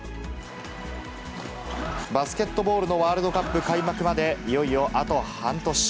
バスケットボールのワールドカップ開幕までいよいよあと半年。